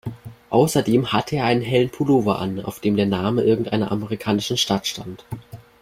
Außerdem hatte er einen hellen Pullover an, auf dem der Name irgendeiner amerikanischen Stadt stand.